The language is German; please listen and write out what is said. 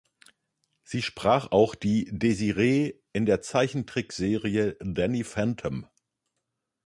Sie sprach auch die "Desiree" in der Zeichentrickserie "Danny Phantom".